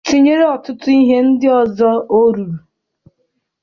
tinyere ọtụtụ ihe ndị ọzọ ọ rụrụ.